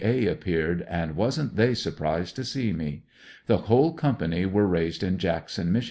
"A" appeared, and wasn't they surprised to see me. The whole company were raised in Jackson, Mich.